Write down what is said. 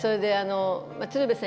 鶴瓶さん